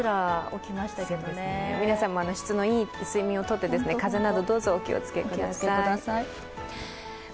皆さんも質のいい睡眠をとって、風邪などどうぞお気を付けください。